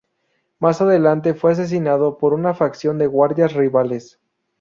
Más adelante fue asesinado por una facción de guardias rivales.